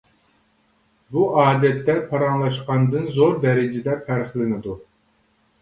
بۇ ئادەتتە پاراڭلاشقاندىن زور دەرىجىدە پەرقلىنىدۇ.